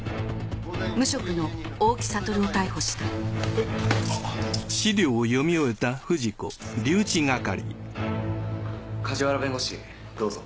無職の大木悟を逮捕した梶原弁護士どうぞ。